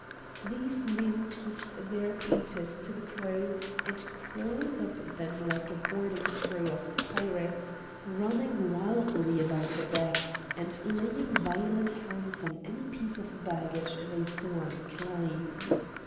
These men tossed their painters to the crew, and crawled up them like a boarding crew of pirates, running wildly about the deck, and laying violent hands on any piece of baggage they saw unclaimed.